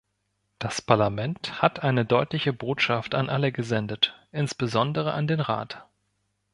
Das Parlament hat eine deutliche Botschaft an alle gesendet, insbesondere an den Rat.